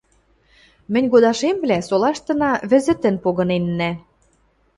Мӹнь годашемвлӓ солаштына вӹзӹтӹн погыненнӓ.